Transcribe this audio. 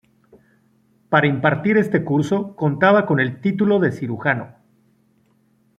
Para impartir este curso contaba con el título de cirujano.